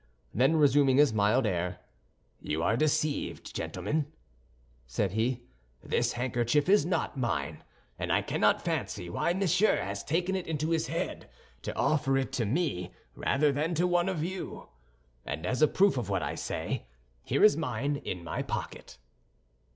Then, resuming his mild air, "You are deceived, gentlemen," said he, "this handkerchief is not mine, and I cannot fancy why Monsieur has taken it into his head to offer it to me rather than to one of you; and as a proof of what I say, here is mine in my pocket."